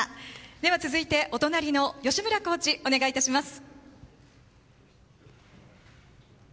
では続いて、お隣の吉村コーチお願いいたします。